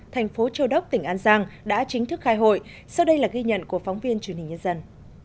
thành phố châu đốc tỉnh an giang đã chính thức khai hội sau đây là ghi nhận của phóng viên truyền hình nhân dân